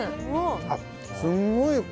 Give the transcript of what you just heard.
すごい。